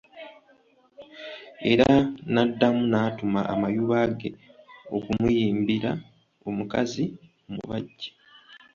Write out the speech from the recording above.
Era n'addamu n'atuma amayuba ge okumuyimbira omukazi omubajje.